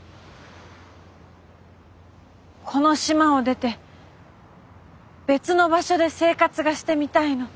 この島を出て別の場所で生活がしてみたいの。